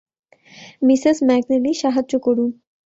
Mrs McNally সাহায্য করুন।